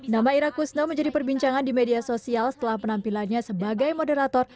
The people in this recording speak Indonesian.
nama ira kusno menjadi perbincangan di media sosial setelah penampilannya sebagai moderator